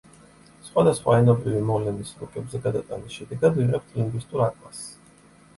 სხვადასხვა ენობრივი მოვლენის რუკებზე გადატანის შედეგად ვიღებთ ლინგვისტურ ატლასს.